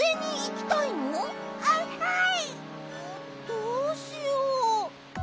どうしよう。